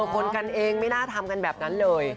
คนกันเองไม่น่าทำกันแบบนั้นเลย